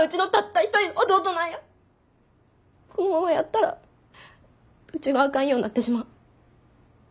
このままやったらうちがあかんようなってしまう。